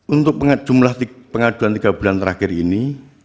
untuk jumlah pengaduan tiga bulan terakhir ini